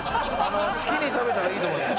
好きに食べたらいいと思います。